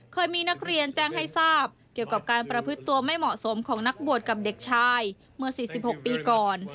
เคยมีนักเรียนแจ้งให้ทราบเกี่ยวกับการประพฤติตัวไม่เหมาะสมของนักบวชกับเด็กชายเมื่อ๔๖ปีก่อน